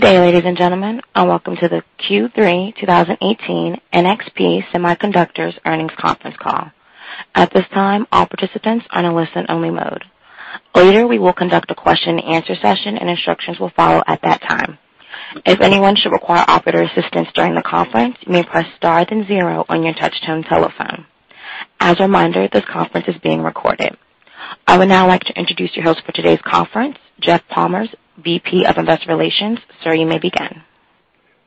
Good day, ladies and gentlemen, and welcome to the Q3 2018 NXP Semiconductors earnings conference call. At this time, all participants are in listen only mode. Later, we will conduct a question and answer session, and instructions will follow at that time. If anyone should require operator assistance during the conference, you may press star then zero on your touch-tone telephone. As a reminder, this conference is being recorded. I would now like to introduce your host for today's conference, Jeff Palmer, VP of Investor Relations. Sir, you may begin.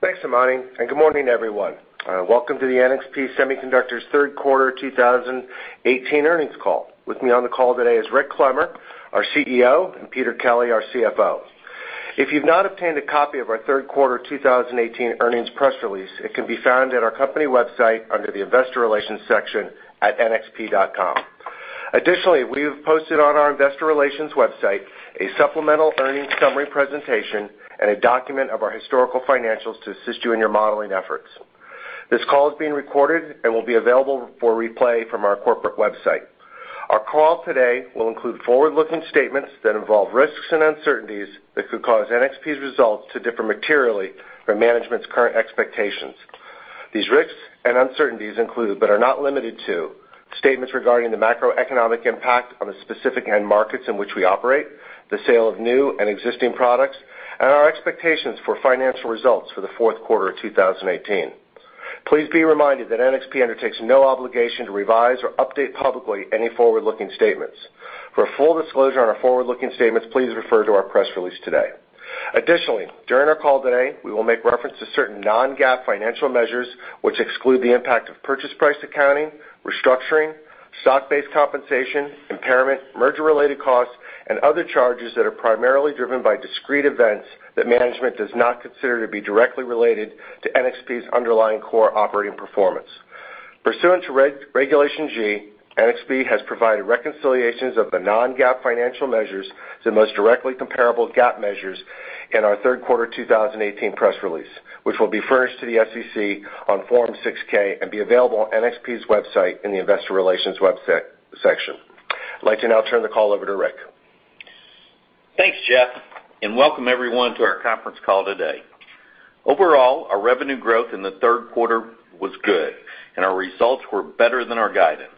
Thanks, Imani, and good morning, everyone. Welcome to the NXP Semiconductors third quarter 2018 earnings call. With me on the call today is Rick Clemmer, our CEO, and Peter Kelly, our CFO. If you've not obtained a copy of our third quarter 2018 earnings press release, it can be found at our company website under the investor relations section at nxp.com. Additionally, we have posted on our investor relations website a supplemental earnings summary presentation and a document of our historical financials to assist you in your modeling efforts. This call is being recorded and will be available for replay from our corporate website. Our call today will include forward-looking statements that involve risks and uncertainties that could cause NXP's results to differ materially from management's current expectations. These risks and uncertainties include, but are not limited to, statements regarding the macroeconomic impact on the specific end markets in which we operate, the sale of new and existing products, and our expectations for financial results for the fourth quarter of 2018. Please be reminded that NXP undertakes no obligation to revise or update publicly any forward-looking statements. For a full disclosure on our forward-looking statements, please refer to our press release today. Additionally, during our call today, we will make reference to certain non-GAAP financial measures which exclude the impact of purchase price accounting, restructuring, stock-based compensation, impairment, merger-related costs, and other charges that are primarily driven by discrete events that management does not consider to be directly related to NXP's underlying core operating performance. Pursuant to Regulation G, NXP has provided reconciliations of the non-GAAP financial measures to the most directly comparable GAAP measures in our third quarter 2018 press release, which will be furnished to the SEC on Form 6-K and be available on NXP's website in the investor relations section. I'd like to now turn the call over to Rick. Thanks, Jeff Palmer, welcome everyone to our conference call today. Overall, our revenue growth in the third quarter was good, our results were better than our guidance.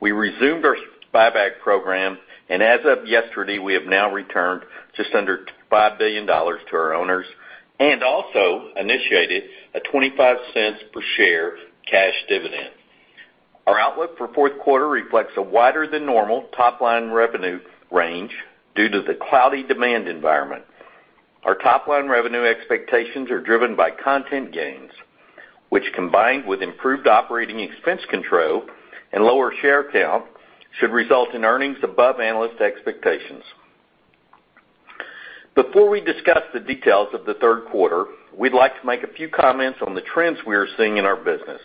We resumed our buyback program, as of yesterday, we have now returned just under $5 billion to our owners and also initiated a $0.25 per share cash dividend. Our outlook for fourth quarter reflects a wider than normal top-line revenue range due to the cloudy demand environment. Our top-line revenue expectations are driven by content gains, which combined with improved operating expense control and lower share count, should result in earnings above analyst expectations. Before we discuss the details of the third quarter, we'd like to make a few comments on the trends we are seeing in our business.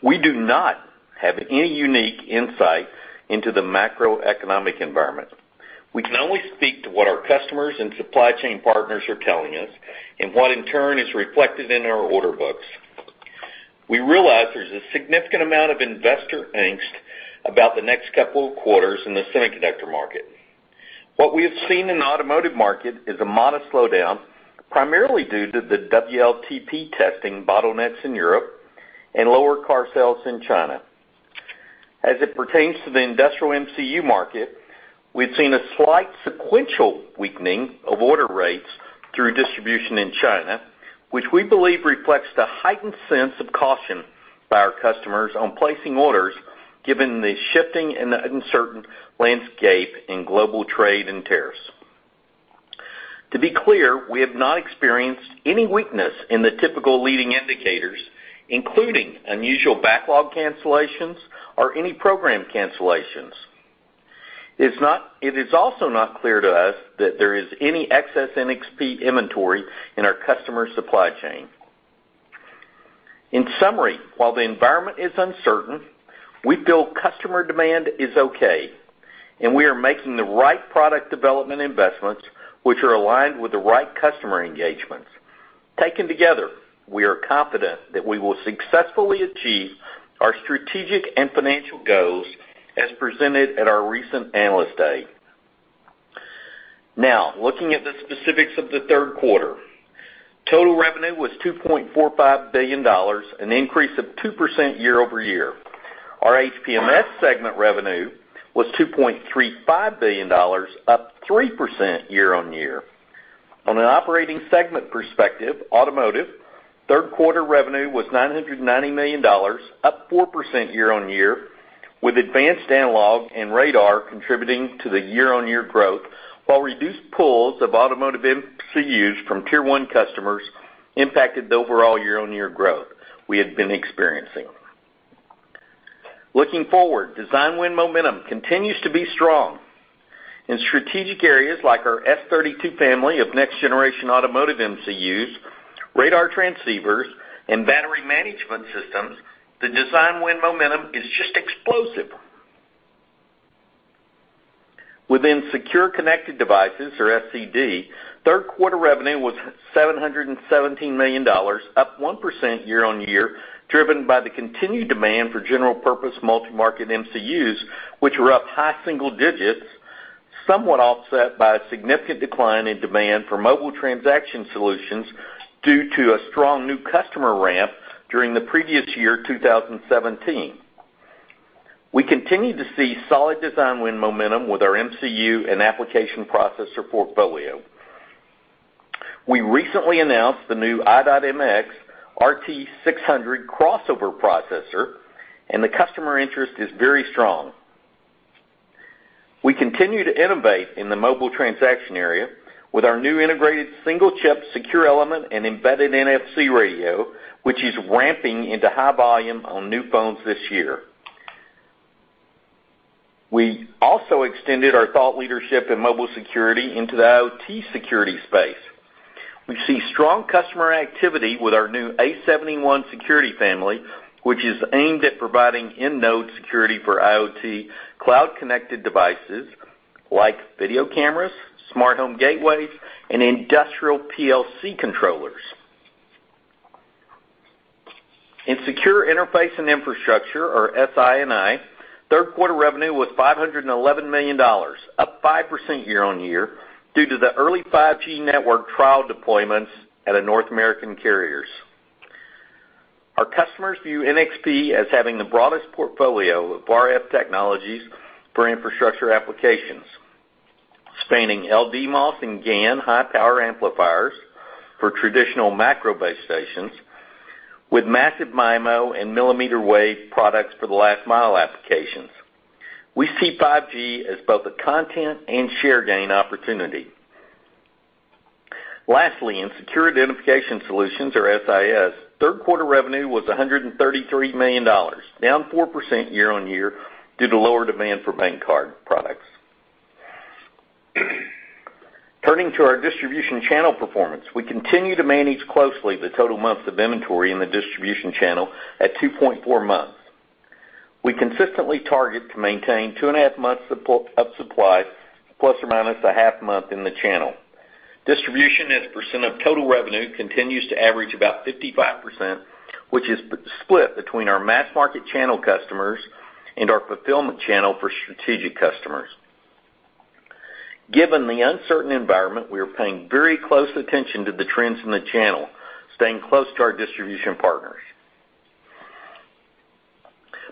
We do not have any unique insight into the macroeconomic environment. We can only speak to what our customers and supply chain partners are telling us, what in turn is reflected in our order books. We realize there's a significant amount of investor angst about the next couple of quarters in the semiconductor market. What we have seen in the automotive market is a modest slowdown, primarily due to the WLTP testing bottlenecks in Europe and lower car sales in China. As it pertains to the industrial MCU market, we've seen a slight sequential weakening of order rates through distribution in China, which we believe reflects the heightened sense of caution by our customers on placing orders, given the shifting and the uncertain landscape in global trade and tariffs. To be clear, we have not experienced any weakness in the typical leading indicators, including unusual backlog cancellations or any program cancellations. It is also not clear to us that there is any excess NXP inventory in our customer supply chain. In summary, while the environment is uncertain, we feel customer demand is okay, we are making the right product development investments, which are aligned with the right customer engagements. Taken together, we are confident that we will successfully achieve our strategic and financial goals as presented at our recent Analyst Day. Now, looking at the specifics of the third quarter. Total revenue was $2.45 billion, an increase of 2% year-over-year. Our HPMS segment revenue was $2.35 billion, up 3% year-on-year. On an operating segment perspective, automotive third quarter revenue was $990 million, up 4% year-on-year, with advanced analog and radar contributing to the year-on-year growth while reduced pulls of automotive MCUs from tier 1 customers impacted the overall year-on-year growth we had been experiencing. Looking forward, design win momentum continues to be strong. In strategic areas like our S32 family of next generation automotive MCUs, radar transceivers, and battery management systems, the design win momentum is just explosive. Within secure connected devices or SCD. Third quarter revenue was $717 million, up 1% year-on-year, driven by the continued demand for general purpose multi-market MCUs, which were up high single digits, somewhat offset by a significant decline in demand for mobile transaction solutions due to a strong new customer ramp during the previous year, 2017. We continue to see solid design win momentum with our MCU and application processor portfolio. We recently announced the new i.MX RT600 crossover processor, and the customer interest is very strong. We continue to innovate in the mobile transaction area with our new integrated single chip secure element and embedded NFC radio, which is ramping into high volume on new phones this year. We also extended our thought leadership in mobile security into the IoT security space. We see strong customer activity with our new A71 security family, which is aimed at providing end node security for IoT cloud-connected devices, like video cameras, smart home gateways, and industrial PLC controllers. In secure interface and infrastructure or SI&I, third quarter revenue was $511 million, up 5% year-on-year, due to the early 5G network trial deployments at the North American carriers. Our customers view NXP as having the broadest portfolio of RF technologies for infrastructure applications, spanning LDMOS and GaN high power amplifiers for traditional macro base stations with massive MIMO and millimeter wave products for the last mile applications. We see 5G as both a content and share gain opportunity. Lastly, in secure identification solutions or SIS, third quarter revenue was $133 million, down 4% year-on-year due to lower demand for bank card products. Turning to our distribution channel performance, we continue to manage closely the total months of inventory in the distribution channel at 2.4 months. We consistently target to maintain two and a half months of supply, plus or minus a half month in the channel. Distribution as a percent of total revenue continues to average about 55%, which is split between our mass market channel customers and our fulfillment channel for strategic customers. Given the uncertain environment, we are paying very close attention to the trends in the channel, staying close to our distribution partners.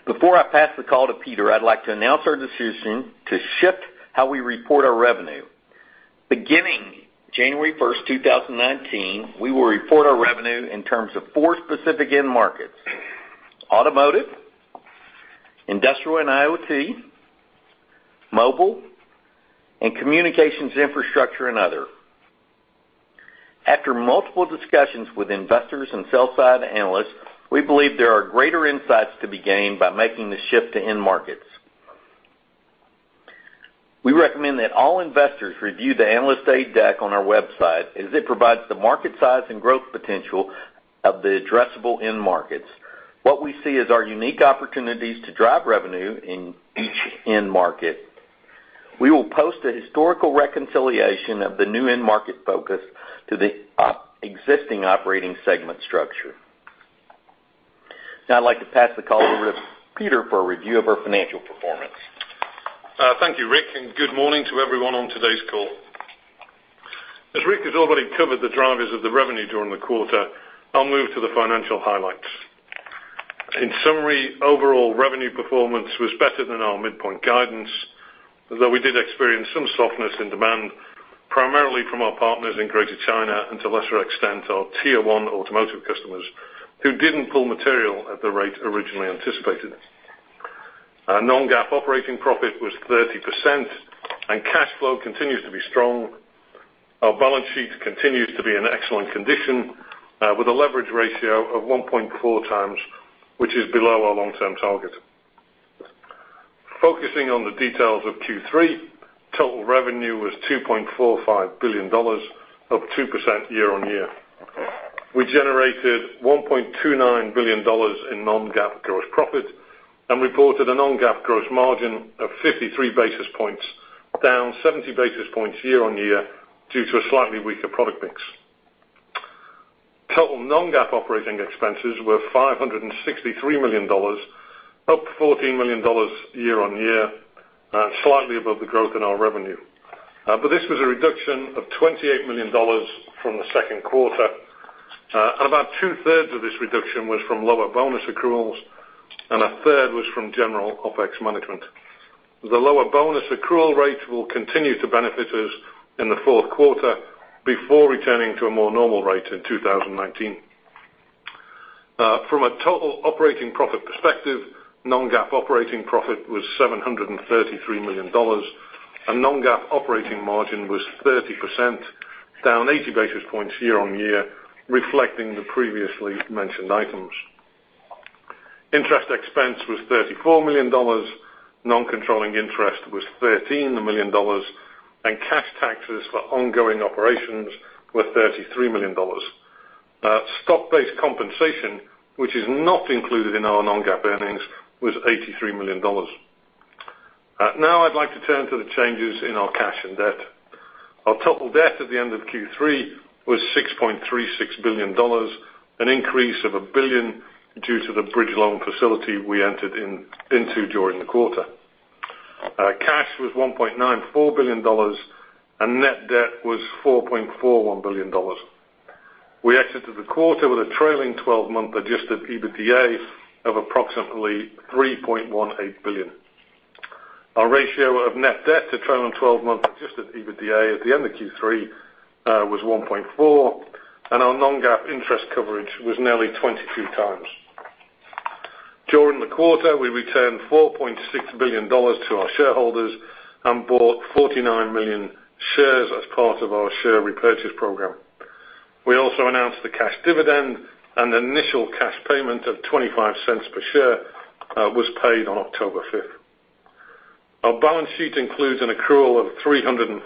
Before I pass the call to Peter, I'd like to announce our decision to shift how we report our revenue. Beginning January 1st, 2019, we will report our revenue in terms of four specific end markets, automotive, industrial and IoT, mobile, and communications infrastructure and other. After multiple discussions with investors and sell-side analysts, we believe there are greater insights to be gained by making the shift to end markets. We recommend that all investors review the Analyst Day deck on our website as it provides the market size and growth potential of the addressable end markets. What we see is our unique opportunities to drive revenue in each end market. We will post a historical reconciliation of the new end market focus to the existing operating segment structure. Now I'd like to pass the call over to Peter for a review of our financial performance. Thank you, Rick, and good morning to everyone on today's call. As Rick has already covered the drivers of the revenue during the quarter, I'll move to the financial highlights. In summary, overall revenue performance was better than our midpoint guidance, although we did experience some softness in demand, primarily from our partners in Greater China and to a lesser extent, our tier 1 automotive customers who didn't pull material at the rate originally anticipated. Our non-GAAP operating profit was 30%, and cash flow continues to be strong. Our balance sheet continues to be in excellent condition, with a leverage ratio of 1.4 times, which is below our long-term target. Focusing on the details of Q3, total revenue was $2.45 billion, up 2% year-on-year. We generated $1.29 billion in non-GAAP gross profit and reported a non-GAAP gross margin of 53 basis points, down 70 basis points year-on-year due to a slightly weaker product mix. Total non-GAAP operating expenses were $563 million, up $14 million year-on-year, slightly above the growth in our revenue. This was a reduction of $28 million from the second quarter. About two-thirds of this reduction was from lower bonus accruals, and a third was from general OpEx management. The lower bonus accrual rate will continue to benefit us in the fourth quarter before returning to a more normal rate in 2019. From a total operating profit perspective, non-GAAP operating profit was $733 million, and non-GAAP operating margin was 30%, down 80 basis points year-on-year, reflecting the previously mentioned items. Interest expense was $34 million, non-controlling interest was $13 million, and cash taxes for ongoing operations were $33 million. Stock-based compensation, which is not included in our non-GAAP earnings, was $83 million. I'd like to turn to the changes in our cash and debt. Our total debt at the end of Q3 was $6.36 billion, an increase of $1 billion due to the bridge loan facility we entered into during the quarter. Cash was $1.94 billion, and net debt was $4.41 billion. We exited the quarter with a trailing 12-month adjusted EBITDA of approximately $3.18 billion. Our ratio of net debt to trailing 12-month adjusted EBITDA at the end of Q3 was 1.4, and our non-GAAP interest coverage was nearly 22 times. During the quarter, we returned $4.6 billion to our shareholders and bought 49 million shares as part of our share repurchase program. We also announced the cash dividend, and the initial cash payment of $0.25 per share was paid on October 5th. Our balance sheet includes an accrual of $346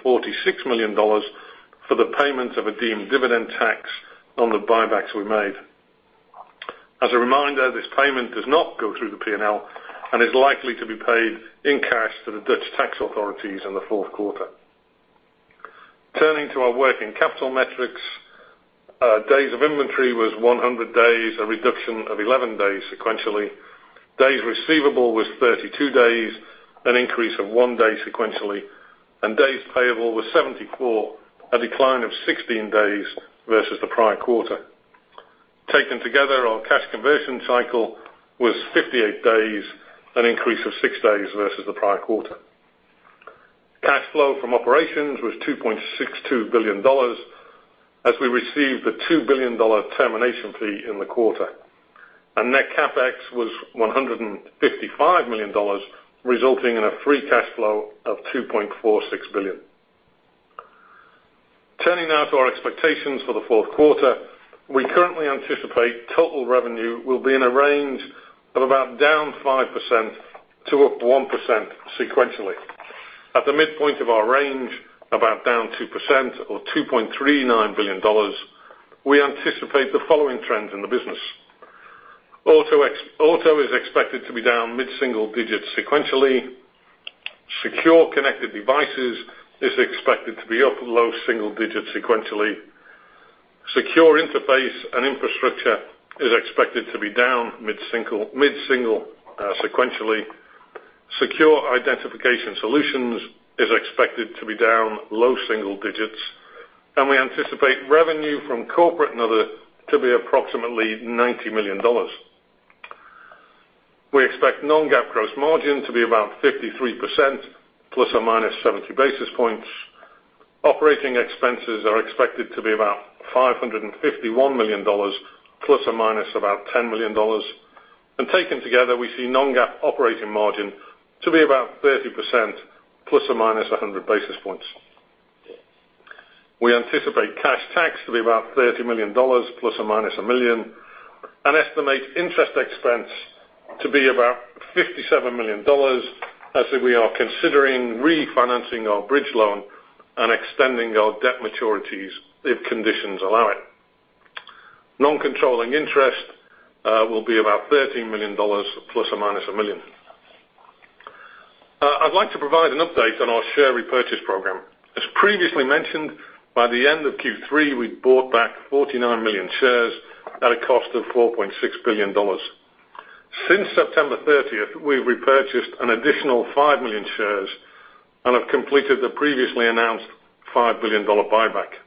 million for the payment of a deemed dividend tax on the buybacks we made. As a reminder, this payment does not go through the P&L, and is likely to be paid in cash to the Dutch tax authorities in the fourth quarter. Turning to our working capital metrics, days of inventory was 100 days, a reduction of 11 days sequentially. Days receivable was 32 days, an increase of one day sequentially, and days payable was 74, a decline of 16 days versus the prior quarter. Taken together, our cash conversion cycle was 58 days, an increase of six days versus the prior quarter. Cash flow from operations was $2.62 billion, as we received a $2 billion termination fee in the quarter. Net CapEx was $155 million, resulting in a free cash flow of $2.46 billion. To our expectations for the fourth quarter, we currently anticipate total revenue will be in a range of about -5% to +1% sequentially. At the midpoint of our range, about -2% or $2.39 billion, we anticipate the following trends in the business. Auto is expected to be down mid-single digits sequentially. Secure Connected Devices is expected to be up low single digits sequentially. Secure Interface and Infrastructure is expected to be down mid-single sequentially. Secure Identification Solutions is expected to be down low single digits. We anticipate revenue from corporate and other to be approximately $90 million. We expect non-GAAP gross margin to be about 53% ±70 basis points. Operating expenses are expected to be about $551 million ±$10 million. Taken together, we see non-GAAP operating margin to be about 30% ±100 basis points. We anticipate cash tax to be about $30 million ±$1 million, and estimate interest expense to be about $57 million, as we are considering refinancing our bridge loan and extending our debt maturities if conditions allow it. Non-controlling interest will be about $13 million ±$1 million. I'd like to provide an update on our share repurchase program. As previously mentioned, by the end of Q3, we'd bought back 49 million shares at a cost of $4.6 billion. Since September 30th, we've repurchased an additional five million shares and have completed the previously announced $5 billion buyback.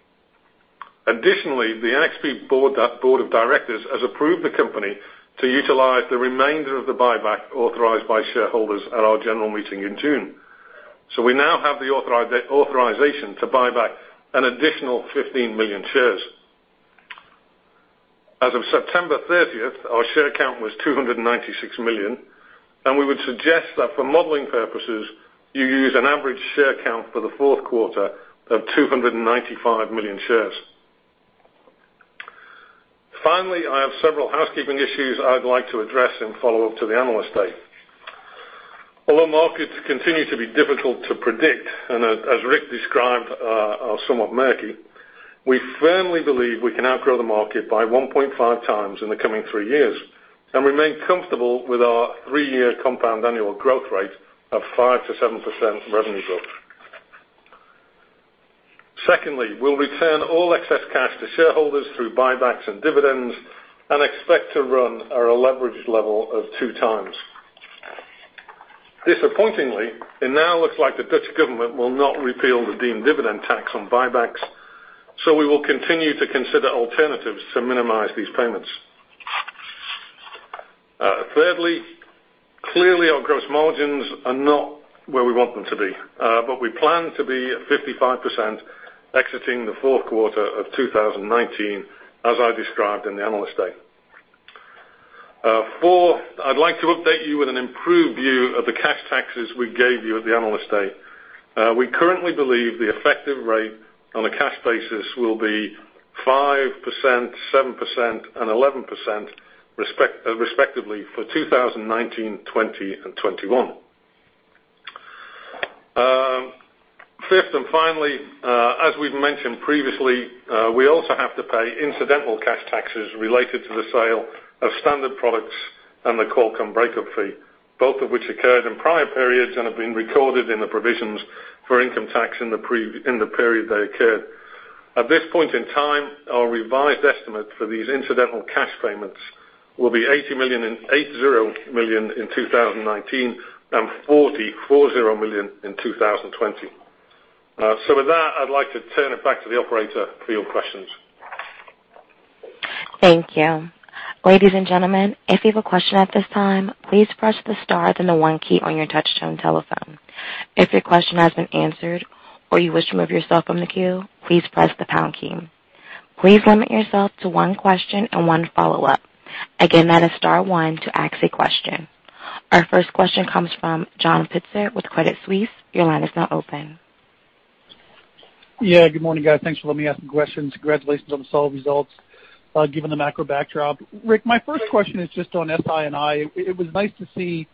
Additionally, the NXP Board of Directors has approved the company to utilize the remainder of the buyback authorized by shareholders at our general meeting in June. We now have the authorization to buy back an additional 15 million shares. As of September 30th, our share count was 296 million, and we would suggest that for modeling purposes, you use an average share count for the fourth quarter of 295 million shares. Finally, I have several housekeeping issues I'd like to address in follow-up to the Analyst Day. Although markets continue to be difficult to predict, and as Rick described, are somewhat murky, we firmly believe we can outgrow the market by 1.5 times in the coming three years and remain comfortable with our three-year compound annual growth rate of 5%-7% revenue growth. Secondly, we'll return all excess cash to shareholders through buybacks and dividends and expect to run at a leverage level of two times. Disappointingly, it now looks like the Dutch government will not repeal the deemed dividend tax on buybacks, so we will continue to consider alternatives to minimize these payments. Clearly our gross margins are not where we want them to be, but we plan to be at 55% exiting the fourth quarter of 2019, as I described in the Analyst Day. I'd like to update you with an improved view of the cash taxes we gave you at the Analyst Day. We currently believe the effective rate on a cash basis will be 5%, 7%, and 11%, respectively, for 2019, 2020, and 2021. Fifth, finally, as we've mentioned previously, we also have to pay incidental cash taxes related to the sale of standard products and the Qualcomm breakup fee, both of which occurred in prior periods and have been recorded in the provisions for income tax in the period they occurred. At this point in time, our revised estimate for these incidental cash payments will be $80 million in 2019 and $40 million in 2020. With that, I'd like to turn it back to the operator for your questions. Thank you. Ladies and gentlemen, if you have a question at this time, please press the star then the one key on your touchtone telephone. If your question has been answered or you wish to remove yourself from the queue, please press the pound key. Please limit yourself to one question and one follow-up. Again, that is star one to ask a question. Our first question comes from John Pitzer with Credit Suisse. Your line is now open. Yeah. Good morning, guys. Thanks for letting me ask some questions. Congratulations on the solid results. Given the macro backdrop, Rick, my first question is just on SI&I. It was nice to see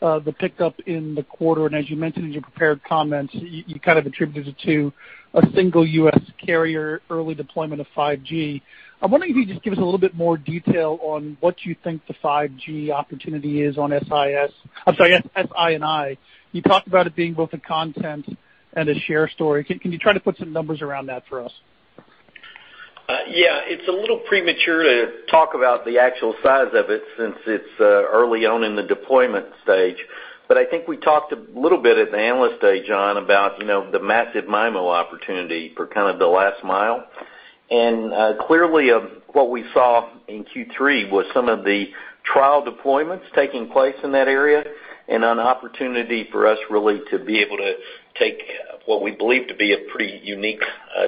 the pickup in the quarter, and as you mentioned in your prepared comments, you kind of attributed it to a single U.S. carrier early deployment of 5G. I wonder if you could just give us a little bit more detail on what you think the 5G opportunity is on SI&I. You talked about it being both a content and a share story. Can you try to put some numbers around that for us? Yeah. It's a little premature to talk about the actual size of it since it's early on in the deployment stage. I think we talked a little bit at the Analyst Day, John, about the massive MIMO opportunity for kind of the last mile. Clearly, what we saw in Q3 was some of the trial deployments taking place in that area, and an opportunity for us really to be able to take what we believe to be a pretty unique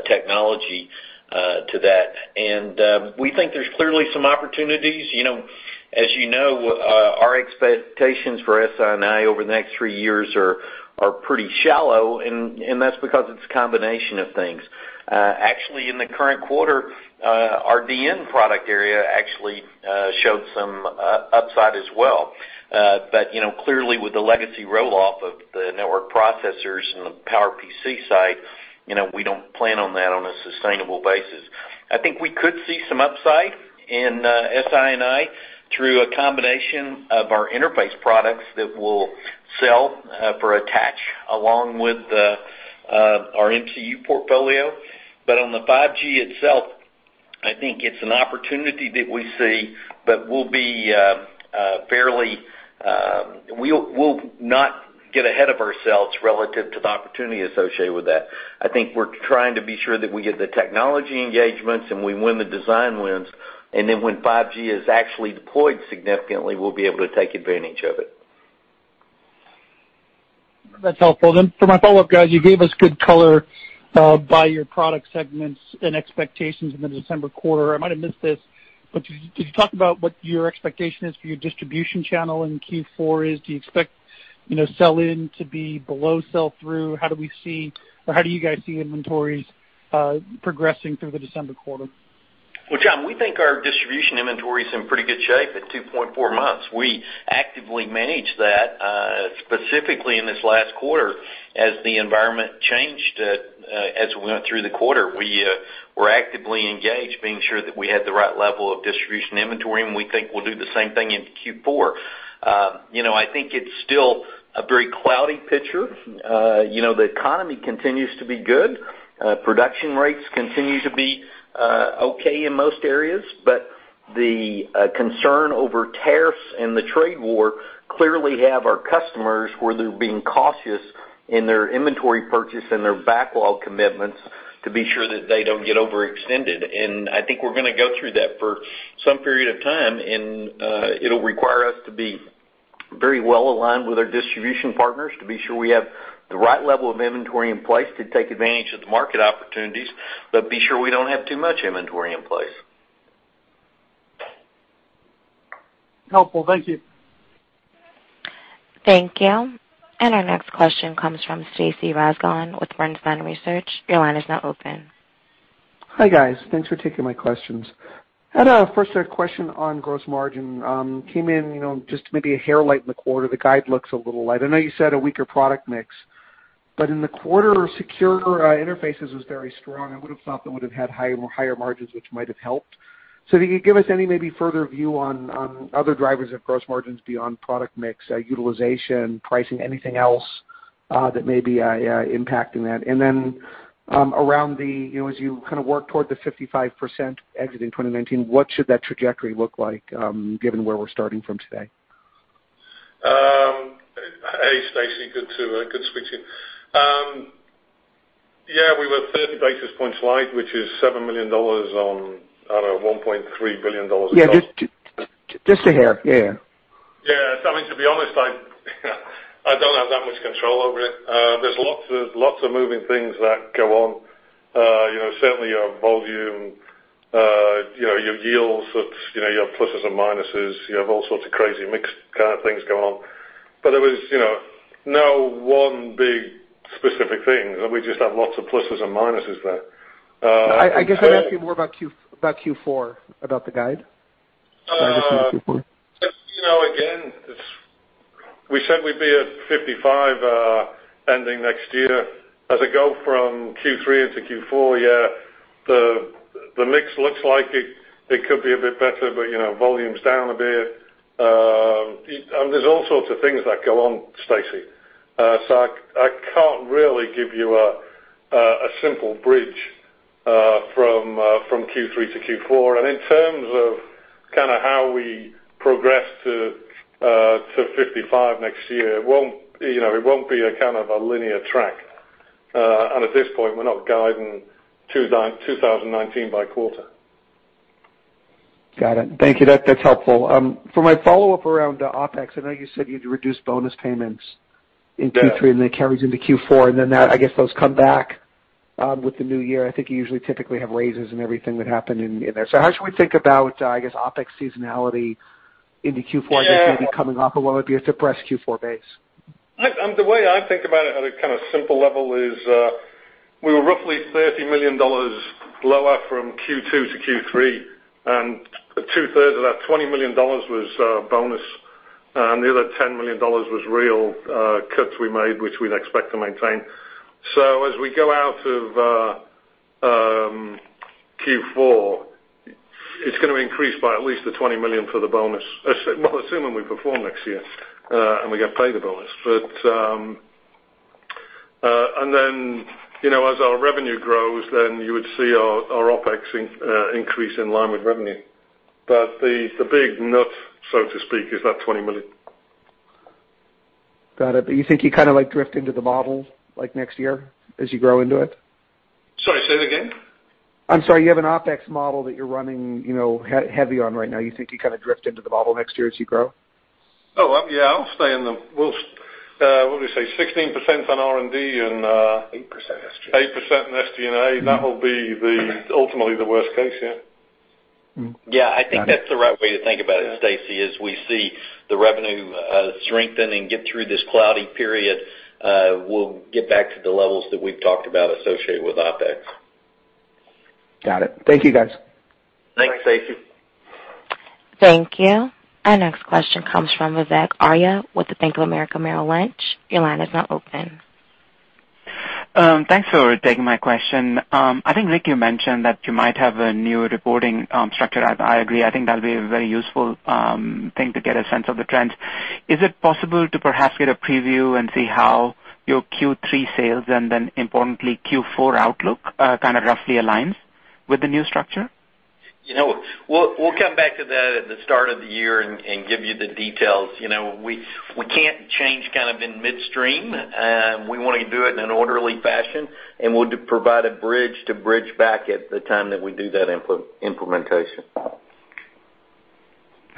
technology to that. We think there's clearly some opportunities. As you know, our expectations for SI&I over the next three years are pretty shallow, and that's because it's a combination of things. Actually, in the current quarter, our DN product area actually showed some upside as well. Clearly with the legacy roll-off of the network processors and the PowerPC side, we don't plan on that on a sustainable basis. I think we could see some upside in SI&I through a combination of our interface products that will sell for attach along with our MCU portfolio. On the 5G itself, I think it's an opportunity that we see, but we'll not get ahead of ourselves relative to the opportunity associated with that. I think we're trying to be sure that we get the technology engagements and we win the design wins, and then when 5G is actually deployed significantly, we'll be able to take advantage of it. That's helpful. For my follow-up, guys, you gave us good color by your product segments and expectations in the December quarter. I might have missed this, could you talk about what your expectation is for your distribution channel in Q4? Do you expect sell in to be below sell through? How do you guys see inventories progressing through the December quarter? Well, John, we think our distribution inventory is in pretty good shape at 2.4 months. We actively manage that, specifically in this last quarter as the environment changed as we went through the quarter. We were actively engaged, being sure that we had the right level of distribution inventory, and we think we'll do the same thing in Q4. I think it's still a very cloudy picture. The economy continues to be good. Production rates continue to be okay in most areas. The concern over tariffs and the trade war clearly have our customers, where they're being cautious in their inventory purchase and their backlog commitments to be sure that they don't get overextended. I think we're going to go through that for some period of time, and it'll require us to be very well aligned with our distribution partners to be sure we have the right level of inventory in place to take advantage of the market opportunities, but be sure we don't have too much inventory in place. Helpful. Thank you. Thank you. Our next question comes from Stacy Rasgon with Bernstein Research. Your line is now open. Hi, guys. Thanks for taking my questions. I had a first question on gross margin. Came in just maybe a hair light in the quarter. The guide looks a little light. I know you said a weaker product mix, but in the quarter, secure interfaces was very strong. I would have thought that would have had higher margins, which might have helped. If you could give us any maybe further view on other drivers of gross margins beyond product mix, utilization, pricing, anything else that may be impacting that. Then as you kind of work toward the 55% exit in 2019, what should that trajectory look like, given where we're starting from today? Hey, Stacy. Good to speak to you. Yeah. We were 30 basis points light, which is $7 million on, I don't know, $1.3 billion. Yeah, just a hair. Yeah. Yeah. I mean, to be honest, I don't have that much control over it. There's lots of moving things that go on. Certainly your volume, your yields, your pluses and minuses, you have all sorts of crazy mix kind of things going on. There was no one big specific thing. We just have lots of pluses and minuses there. I guess I'd ask you more about Q4, about the guide. Guidance in Q4. Again, we said we'd be at 55 ending next year. As I go from Q3 into Q4, yeah, the mix looks like it could be a bit better, volume's down a bit. There's all sorts of things that go on, Stacy. I can't really give you a simple bridge from Q3 to Q4. In terms of how we progress to 55 next year, it won't be a kind of a linear track. At this point, we're not guiding 2019 by quarter. Got it. Thank you. That's helpful. For my follow-up around OpEx, I know you said you'd reduce bonus payments in Q3, that carries into Q4, then I guess those come back with the new year. I think you usually typically have raises and everything that happen in there. How should we think about, I guess, OpEx seasonality into Q4 just maybe coming off of what would be a suppressed Q4 base? The way I think about it at a kind of simple level is we were roughly $30 million lower from Q2 to Q3, two-thirds of that, $20 million, was bonus, the other $10 million was real cuts we made, which we'd expect to maintain. As we go out of Q4, it's going to increase by at least the $20 million for the bonus, assuming we perform next year and we get paid the bonus. As our revenue grows, then you would see our OpEx increase in line with revenue. The big nut, so to speak, is that $20 million. Got it. You think you kind of like drift into the model next year as you grow into it? Sorry, say that again. I'm sorry. You have an OpEx model that you're running heavy on right now. You think you kind of drift into the model next year as you grow? Oh, yeah, I'll stay in the-- what did we say? 16% on R&D and. 8% SG&A. 8% on SD&A. That will be ultimately the worst case, yeah. Yeah, I think that's the right way to think about it, Stacy. As we see the revenue strengthening, get through this cloudy period, we'll get back to the levels that we've talked about associated with OpEx. Got it. Thank you, guys. Thanks, Stacy. Thank you. Our next question comes from Vivek Arya with the Bank of America Merrill Lynch. Your line is now open. Thanks for taking my question. I think, Rick, you mentioned that you might have a new reporting structure. I agree. I think that'll be a very useful thing to get a sense of the trends. Is it possible to perhaps get a preview and see how your Q3 sales and importantly, Q4 outlook kind of roughly aligns with the new structure? We'll come back to that at the start of the year, give you the details. We can't change kind of in midstream. We want to do it in an orderly fashion, we'll provide a bridge to bridge back at the time that we do that implementation.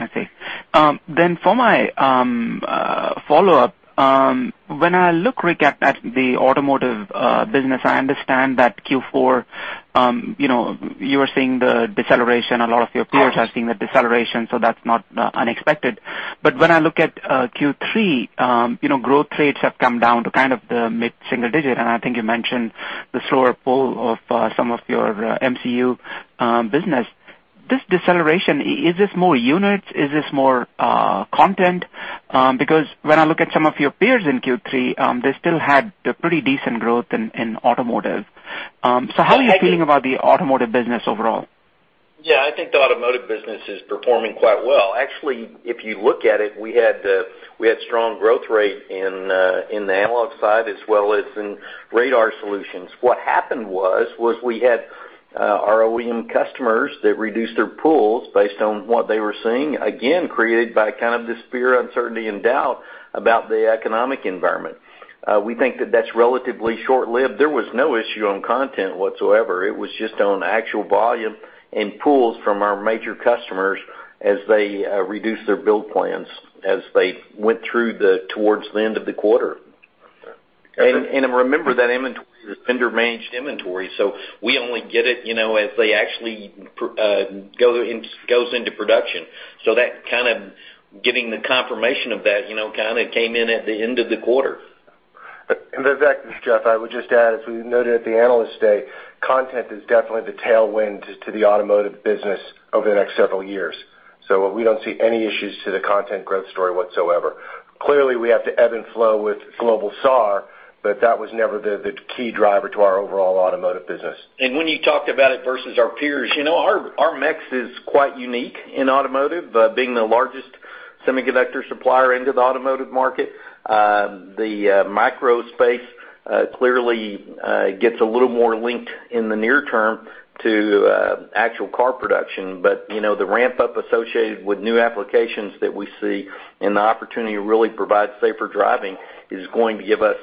I see. For my follow-up, when I look, Rick, at the automotive business, I understand that Q4 you are seeing the deceleration. A lot of your peers are seeing the deceleration, that's not unexpected. When I look at Q3, growth rates have come down to kind of the mid-single digit, I think you mentioned the slower pull of some of your MCU business. This deceleration, is this more units? Is this more content? When I look at some of your peers in Q3, they still had a pretty decent growth in automotive. How are you feeling about the automotive business overall? I think the automotive business is performing quite well. Actually, if you look at it, we had strong growth rate in the analog side as well as in radar solutions. What happened was, we had our OEM customers that reduced their pools based on what they were seeing, again, created by kind of this fear, uncertainty, and doubt about the economic environment. We think that that's relatively short-lived. There was no issue on content whatsoever. It was just on actual volume, pools from our major customers as they reduced their build plans as they went through towards the end of the quarter. Okay. Remember that inventory is vendor-managed inventory, we only get it as they actually goes into production. That kind of getting the confirmation of that kind of came in at the end of the quarter. Vivek, this is Jeff. I would just add, as we noted at the Analyst Day, content is definitely the tailwind to the automotive business over the next several years. We don't see any issues to the content growth story whatsoever. Clearly, we have to ebb and flow with global SAAR, That was never the key driver to our overall automotive business. When you talked about it versus our peers, our mix is quite unique in automotive, being the largest semiconductor supplier into the automotive market. The micro space clearly gets a little more linked in the near term to actual car production. The ramp-up associated with new applications that we see and the opportunity to really provide safer driving is going to give us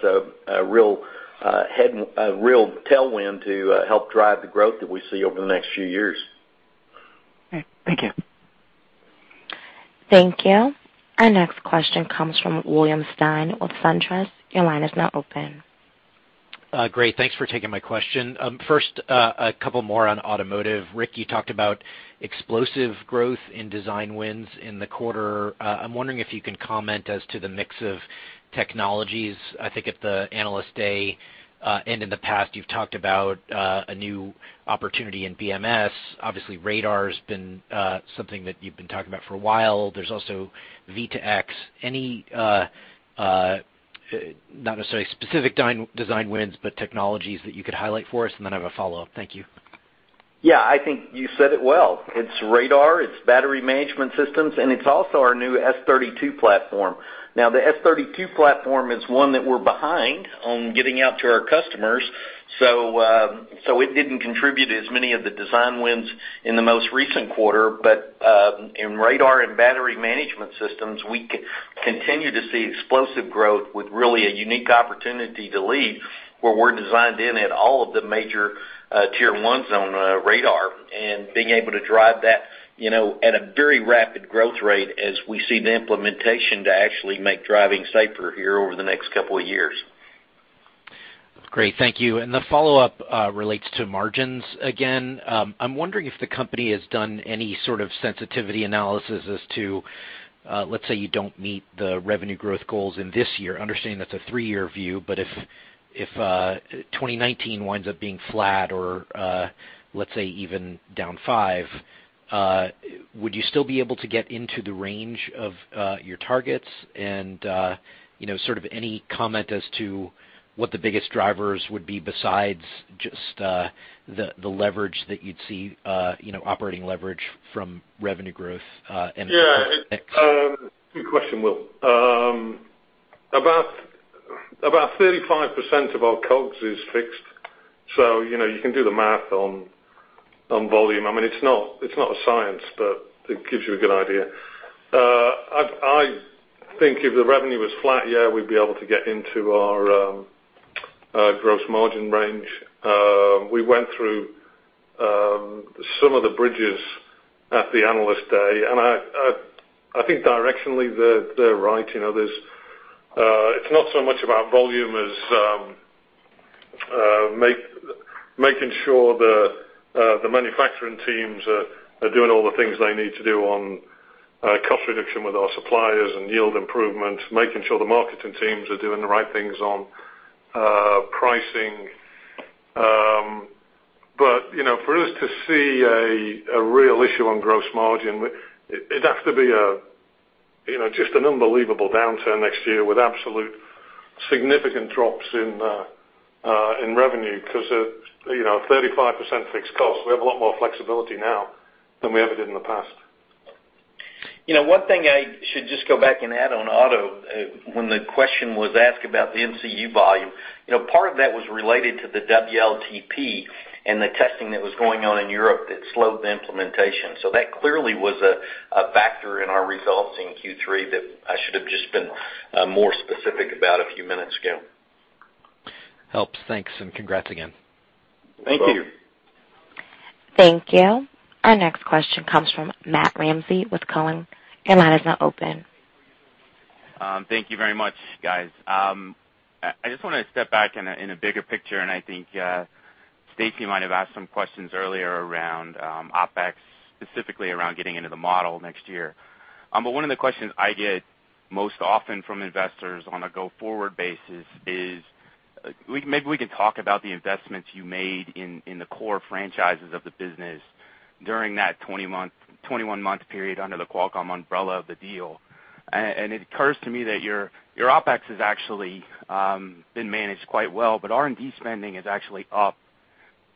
a real tailwind to help drive the growth that we see over the next few years. Okay. Thank you. Thank you. Our next question comes from William Stein with SunTrust. Your line is now open. Great. Thanks for taking my question. First, a couple more on automotive. Rick, you talked about explosive growth in design wins in the quarter. I'm wondering if you can comment as to the mix of technologies. I think at the Analyst Day, and in the past, you've talked about a new opportunity in BMS. Obviously, radar's been something that you've been talking about for a while. There's also V2X. Not necessarily specific design wins, but technologies that you could highlight for us, and then I have a follow-up. Thank you. Yeah, I think you said it well. It's radar, it's battery management systems, and it's also our new S32 platform. The S32 platform is one that we're behind on getting out to our customers. It didn't contribute as many of the design wins in the most recent quarter. In radar and battery management systems, we continue to see explosive growth with really a unique opportunity to lead where we're designed in at all of the major tier 1s on radar, and being able to drive that at a very rapid growth rate as we see the implementation to actually make driving safer here over the next couple of years. Great. Thank you. The follow-up relates to margins again. I'm wondering if the company has done any sort of sensitivity analysis as to, let's say you don't meet the revenue growth goals in this year, understanding that's a three-year view, but if 2019 winds up being flat or, let's say, even down 5%, would you still be able to get into the range of your targets? Any comment as to what the biggest drivers would be besides just the leverage that you'd see, operating leverage from revenue growth. Good question, Will. About 35% of our COGS is fixed, so you can do the math on volume. It's not a science, but it gives you a good idea. I think if the revenue was flat, we'd be able to get into our gross margin range. We went through some of the bridges at the Analyst Day, and I think directionally they're right. It's not so much about volume as making sure the manufacturing teams are doing all the things they need to do on cost reduction with our suppliers and yield improvement, making sure the marketing teams are doing the right things on pricing. For us to see a real issue on gross margin, it'd have to be just an unbelievable downturn next year with absolute significant drops in revenue because at 35% fixed cost, we have a lot more flexibility now than we ever did in the past. One thing I should just go back and add on auto, when the question was asked about the MCU volume, part of that was related to the WLTP and the testing that was going on in Europe that slowed the implementation. That clearly was a factor in our results in Q3 that I should have just been more specific about a few minutes ago. Helps. Thanks, and congrats again. Thank you. Thank you. Thank you. Our next question comes from Matt Ramsay with Cowen. Your line is now open. Thank you very much, guys. I just want to step back in a bigger picture. I think Stacy might have asked some questions earlier around OpEx, specifically around getting into the model next year. One of the questions I get most often from investors on a go-forward basis is, maybe we can talk about the investments you made in the core franchises of the business during that 21-month period under the Qualcomm umbrella of the deal. It occurs to me that your OpEx has actually been managed quite well, but R&D spending is actually up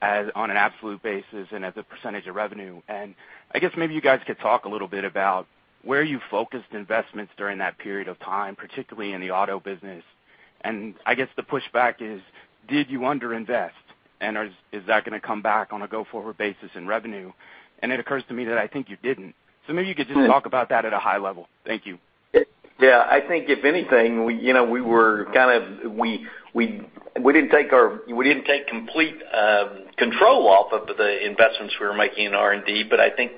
on an absolute basis and as a percentage of revenue. I guess maybe you guys could talk a little bit about where you focused investments during that period of time, particularly in the auto business. I guess the pushback is, did you under-invest, and is that going to come back on a go-forward basis in revenue? It occurs to me that I think you didn't. Maybe you could just talk about that at a high level. Thank you. Yeah. I think if anything, we didn't take complete control off of the investments we were making in R&D,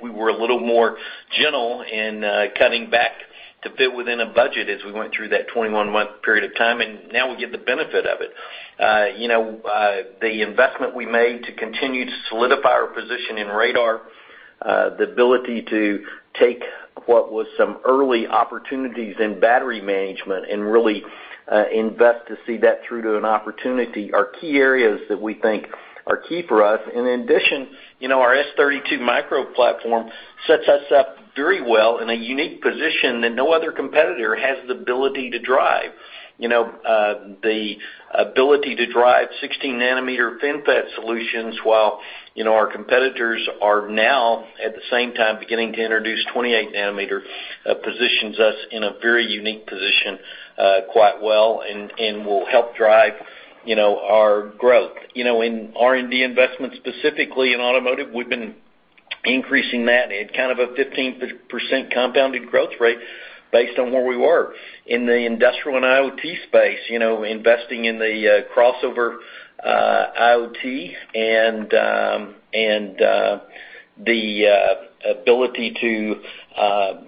we were a little more gentle in cutting back to fit within a budget as we went through that 21-month period of time, now we get the benefit of it. The investment we made to continue to solidify our position in radar, the ability to take what was some early opportunities in battery management and really invest to see that through to an opportunity are key areas that we think are key for us. In addition, our S32 micro platform sets us up very well in a unique position that no other competitor has the ability to drive. The ability to drive 16 nanometer FinFET solutions while our competitors are now, at the same time, beginning to introduce 28 nanometer, positions us in a very unique position quite well and will help drive our growth. In R&D investments, specifically in automotive, we've been increasing that at kind of a 15% compounded growth rate based on where we were. In the industrial and IoT space, investing in the crossover IoT and the ability to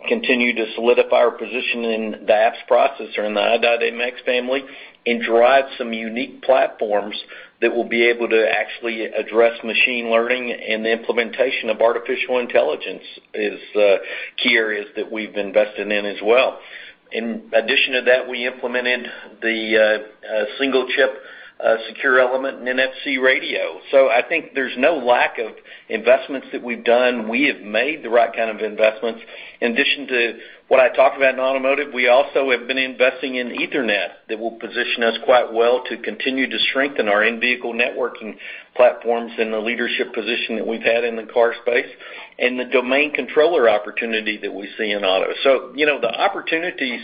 continue to solidify our position in the apps processor in the i.MX family and drive some unique platforms that will be able to actually address machine learning and the implementation of artificial intelligence is key areas that we've invested in as well. In addition to that, we implemented the single-chip secure element in NFC radio. I think there's no lack of investments that we've done. We have made the right kind of investments. In addition to what I talked about in automotive, we also have been investing in Ethernet that will position us quite well to continue to strengthen our in-vehicle networking platforms and the leadership position that we've had in the car space, and the domain controller opportunity that we see in auto. The opportunities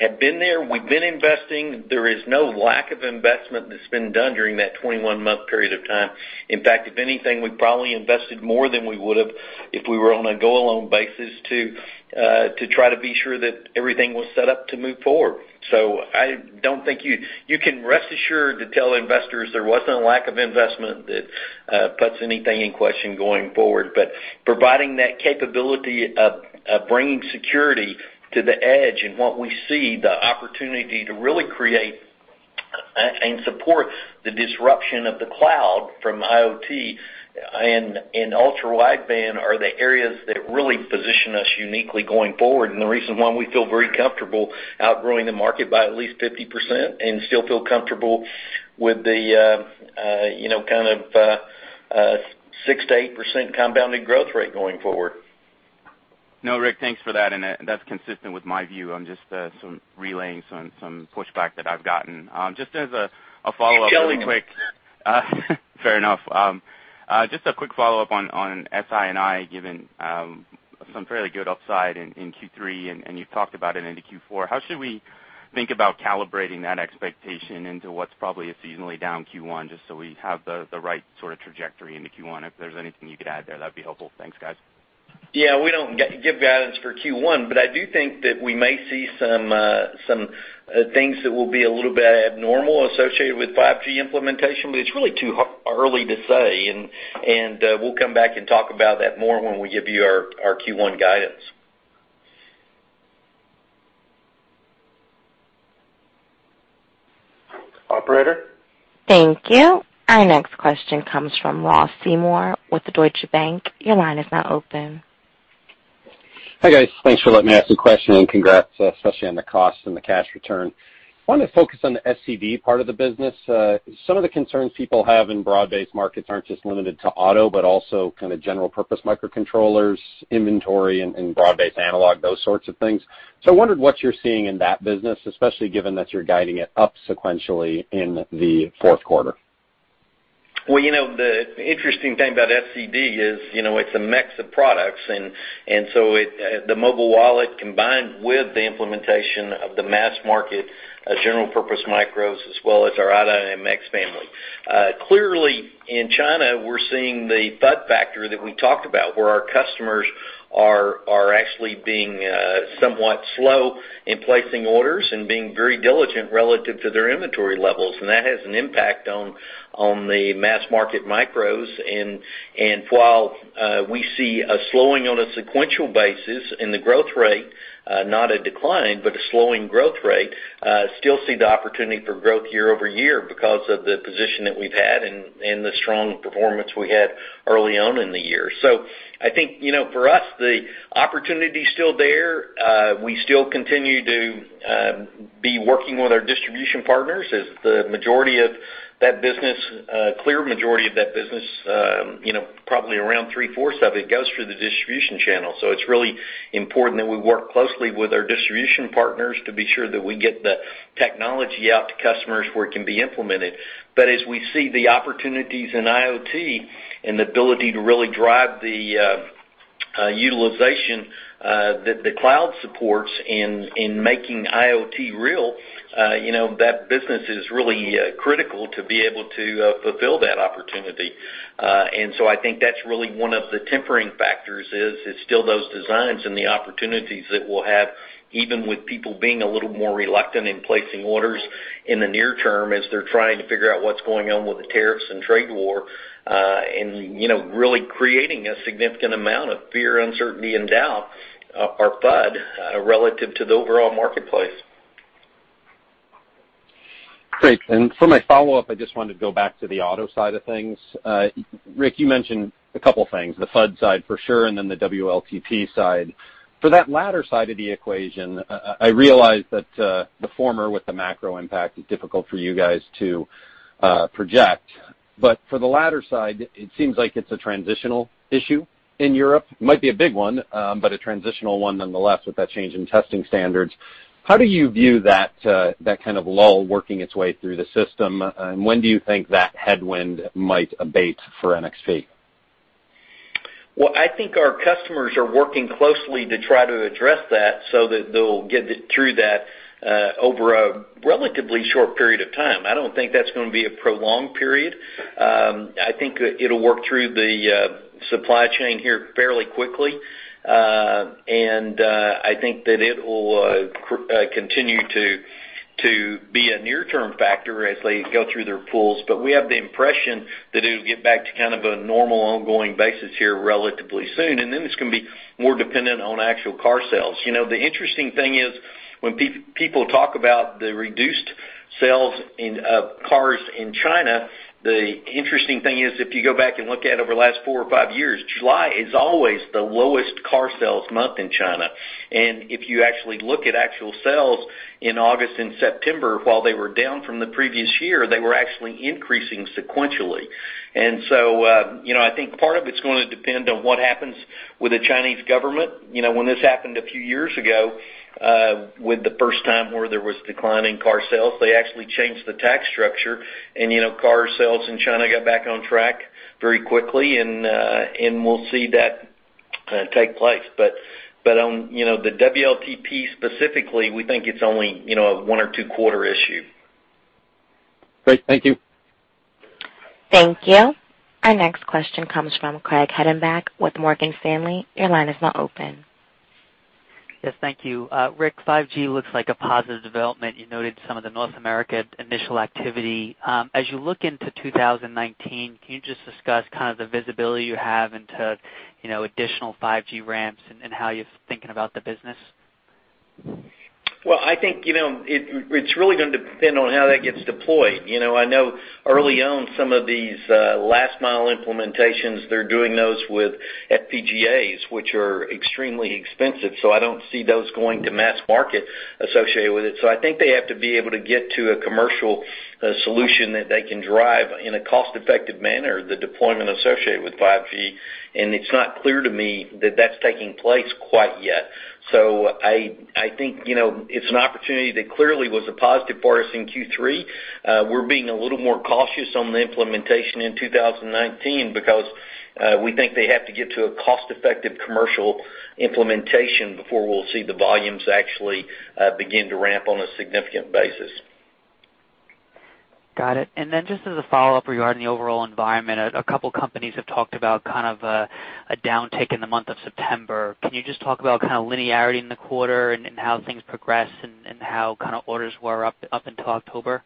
have been there. We've been investing. There is no lack of investment that's been done during that 21-month period of time. In fact, if anything, we probably invested more than we would've if we were on a go-along basis to try to be sure that everything was set up to move forward. You can rest assured to tell investors there wasn't a lack of investment that puts anything in question going forward. Providing that capability of bringing security to the edge and what we see the opportunity to really create and support the disruption of the cloud from IoT and ultra-wideband are the areas that really position us uniquely going forward, and the reason why we feel very comfortable outgrowing the market by at least 50% and still feel comfortable with the 6%-8% compounded growth rate going forward. Rick, thanks for that, and that's consistent with my view on just some relaying, some pushback that I've gotten. Just as a follow-up. You can only. Really quick. Fair enough. Just a quick follow-up on SI&I, given some fairly good upside in Q3, and you've talked about it into Q4. How should we think about calibrating that expectation into what's probably a seasonally down Q1, just so we have the right sort of trajectory into Q1? If there's anything you could add there, that'd be helpful. Thanks, guys. Yeah. I do think that we may see some things that will be a little bit abnormal associated with 5G implementation. It's really too early to say, and we'll come back and talk about that more when we give you our Q1 guidance. Operator? Thank you. Our next question comes from Ross Seymore with Deutsche Bank. Your line is now open. Hi, guys. Thanks for letting me ask a question and congrats, especially on the cost and the cash return. I want to focus on the SCD part of the business. Some of the concerns people have in broad-based markets aren't just limited to auto, but also kind of general purpose microcontrollers, inventory and broad-based analog, those sorts of things. I wondered what you're seeing in that business, especially given that you're guiding it up sequentially in the fourth quarter. Well, the interesting thing about SCD is, it's a mix of products. The mobile wallet combined with the implementation of the mass market, general purpose micros as well as our i.MX family. Clearly, in China, we're seeing the FUD factor that we talked about where our customers are actually being somewhat slow in placing orders and being very diligent relative to their inventory levels, and that has an impact on the mass market micros. While we see a slowing on a sequential basis in the growth rate, not a decline, but a slowing growth rate, still see the opportunity for growth year-over-year because of the position that we've had and the strong performance we had early on in the year. I think, for us, the opportunity's still there. We still continue to be working with our distribution partners as the clear majority of that business, probably around three-fourths of it, goes through the distribution channel. It's really important that we work closely with our distribution partners to be sure that we get the technology out to customers where it can be implemented. As we see the opportunities in IoT and the ability to really drive the utilization that the cloud supports in making IoT real, that business is really critical to be able to fulfill that opportunity. I think that's really one of the tempering factors is, it's still those designs and the opportunities that we'll have, even with people being a little more reluctant in placing orders in the near term as they're trying to figure out what's going on with the tariffs and trade war, and really creating a significant amount of fear, uncertainty, and doubt, or FUD, relative to the overall marketplace. Great. For my follow-up, I just wanted to go back to the auto side of things. Rick, you mentioned a couple things, the FUD side for sure, and then the WLTP side. For that latter side of the equation, I realize that the former with the macro impact is difficult for you guys to project. For the latter side, it seems like it's a transitional issue in Europe. It might be a big one, but a transitional one nonetheless with that change in testing standards. How do you view that kind of lull working its way through the system, and when do you think that headwind might abate for NXP? Well, I think our customers are working closely to try to address that so that they'll get through that over a relatively short period of time. I don't think that's going to be a prolonged period. I think it'll work through the supply chain here fairly quickly. I think that it will continue to be a near-term factor as they go through their pools. We have the impression that it'll get back to kind of a normal ongoing basis here relatively soon, and then it's going to be more dependent on actual car sales. The interesting thing is when people talk about the reduced sales in cars in China, the interesting thing is, if you go back and look at over the last four or five years, July is always the lowest car sales month in China. If you actually look at actual sales in August and September, while they were down from the previous year, they were actually increasing sequentially. So, I think part of it's going to depend on what happens with the Chinese government. When this happened a few years ago, with the first time where there was declining car sales, they actually changed the tax structure. Car sales in China got back on track very quickly, and we'll see that take place. The WLTP specifically, we think it's only a one or two quarter issue. Great. Thank you. Thank you. Our next question comes from Craig Hettenbach with Morgan Stanley. Your line is now open. Yes, thank you. Rick, 5G looks like a positive development. You noted some of the North America initial activity. As you look into 2019, can you just discuss kind of the visibility you have into additional 5G ramps and how you're thinking about the business? I think, it's really going to depend on how that gets deployed. I know early on some of these last-mile implementations, they're doing those with FPGAs, which are extremely expensive, so I don't see those going to mass market associated with it. I think they have to be able to get to a commercial solution that they can drive in a cost-effective manner, the deployment associated with 5G, and it's not clear to me that that's taking place quite yet. I think, it's an opportunity that clearly was a positive for us in Q3. We're being a little more cautious on the implementation in 2019 because we think they have to get to a cost-effective commercial implementation before we'll see the volumes actually begin to ramp on a significant basis. Got it. Just as a follow-up regarding the overall environment, a couple of companies have talked about kind of a downtick in the month of September. Can you just talk about kind of linearity in the quarter and how things progress and how kind of orders were up until October?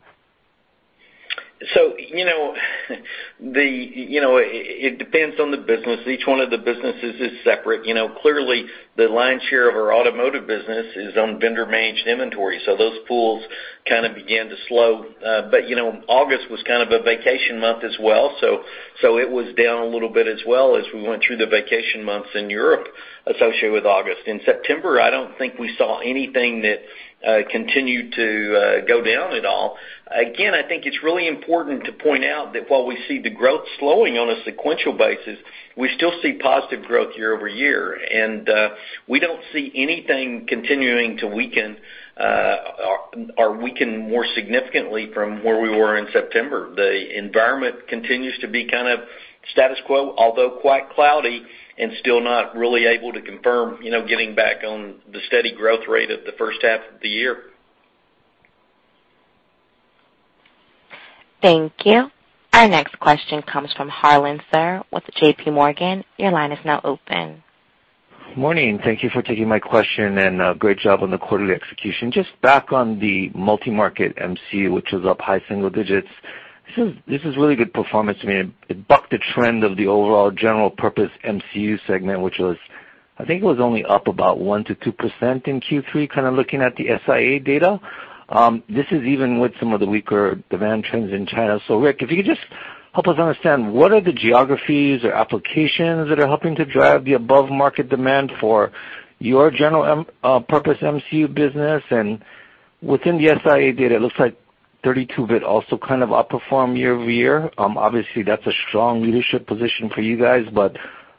It depends on the business. Each one of the businesses is separate. Clearly, the lion's share of our automotive business is on vendor-managed inventory, so those pools kind of began to slow. August was kind of a vacation month as well, so it was down a little bit as well as we went through the vacation months in Europe associated with August. In September, I don't think we saw anything that continued to go down at all. Again, I think it's really important to point out that while we see the growth slowing on a sequential basis, we still see positive growth year-over-year. We don't see anything continuing to weaken or weaken more significantly from where we were in September. The environment continues to be kind of status quo, although quite cloudy and still not really able to confirm getting back on the steady growth rate of the first half of the year. Thank you. Our next question comes from Harlan Sur with J.P. Morgan. Your line is now open. Morning. Thank you for taking my question, great job on the quarterly execution. Just back on the multi-market MCU, which is up high single digits. This is really good performance. I mean, it bucked the trend of the overall general purpose MCU segment, which was, I think it was only up about 1%-2% in Q3, kind of looking at the SIA data. This is even with some of the weaker demand trends in China. Rick, if you could just help us understand, what are the geographies or applications that are helping to drive the above-market demand for your general purpose MCU business? Within the SIA data, it looks like 32-bit also kind of outperformed year-over-year. Obviously, that's a strong leadership position for you guys, but